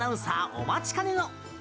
お待ちかねの。